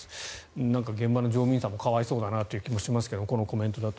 なんか現場の乗務員さんも可哀想だなと思いますけどこのコメントだと。